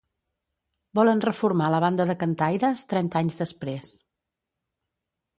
Volen reformar la banda de cantaires trenta anys després.